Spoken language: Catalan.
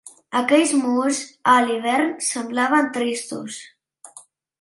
Aquells murs a l'hivern semblaven tristos